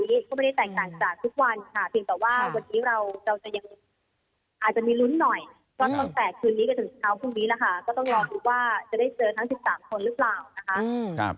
ก็ต้องแตกคืนนี้กับถึงเช้าพรุ่งนี้นะคะก็ต้องรอดูว่าจะได้เจอทั้ง๑๓คนหรือเปล่านะคะ